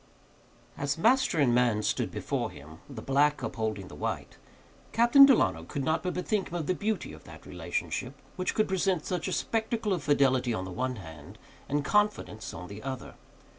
As master and man stood before him, the black upholding the white, Captain Delano could not but bethink him of the beauty of that relationship which could present such a spectacle of fidelity on the one hand and confidence on the other.